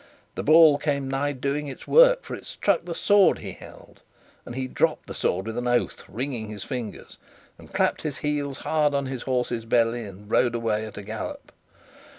The ball came nigh doing its work, for it struck the sword he held, and he dropped the sword with an oath, wringing his fingers and clapped his heels hard on his horse's belly, and rode away at a gallop.